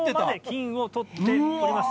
金を採っておりました。